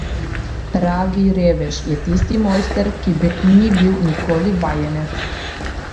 Pravi revež je tisti mojster, ki ni bil nikoli vajenec.